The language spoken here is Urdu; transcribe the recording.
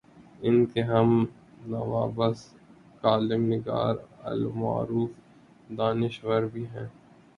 ان کے ہم نوا بعض کالم نگار المعروف دانش ور بھی ہیں۔